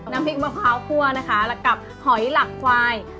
น้ำพริกมะพร้าวคั่วนะคะกับหอยหลักควาย